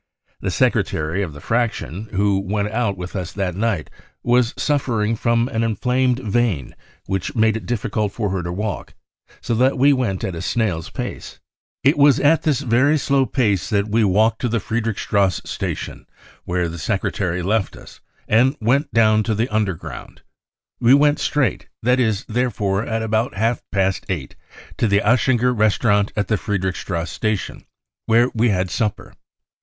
The secretary of the Fraction, who went out with us that night, was suffering from an inflamed vein which made it difficult for her to walk, so that we went at a snail's pace. " It was at this very slow pace that we walked to the Friedrichs trasse Station, where tfie secretary left us and went down to the Underground. We went straight, that is, therefore, at about half past eight, to the Aschinger Restaurant at the Friedrichs trasse Station, where we had supper.